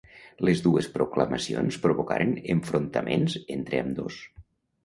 Les dues proclamacions provocaren enfrontaments entre ambdós.